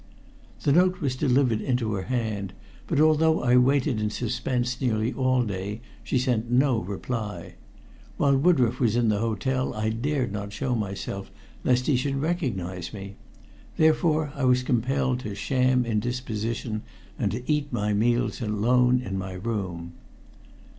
The note was delivered into her hand, but although I waited in suspense nearly all day she sent no reply. While Woodroffe was in the hotel I dared not show myself lest he should recognize me, therefore I was compelled to sham indisposition and to eat my meals alone in my room.